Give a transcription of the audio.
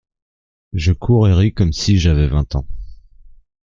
Je cours et ris comme si j’avais vingt ans !